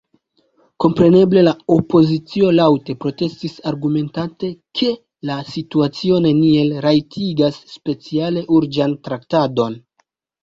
Kompreneble la opozicio laŭte protestis, argumentante, ke la situacio neniel rajtigas speciale urĝan traktadon.